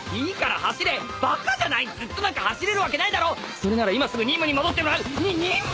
それなら今すぐ任務に戻ってもらう？に任務！？